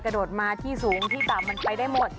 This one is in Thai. กระโดดมาที่สูงที่ต่ำมันไปได้หมด